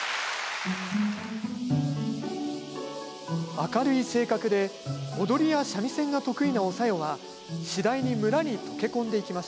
明るい性格で踊りや三味線が得意なお小夜は次第に村に溶け込んでいきました。